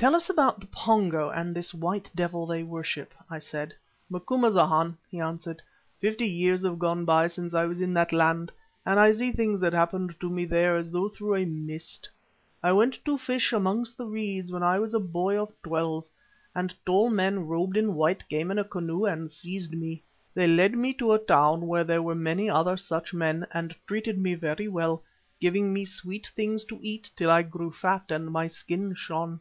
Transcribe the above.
"Tell us about the Pongo and this white devil they worship," I said. "Macumazana," he answered, "fifty years have gone by since I was in that land and I see things that happened to me there as through a mist. I went to fish amongst the reeds when I was a boy of twelve, and tall men robed in white came in a canoe and seized me. They led me to a town where there were many other such men, and treated me very well, giving me sweet things to eat till I grew fat and my skin shone.